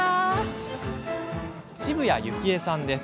渋谷幸英さんです。